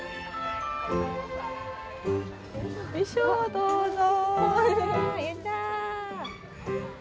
どうぞ。